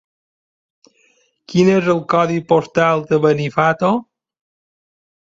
Quin és el codi postal de Benifato?